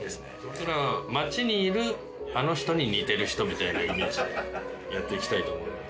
僕ら街にいるあの人に似てる人みたいなイメージでやって行きたいと思います。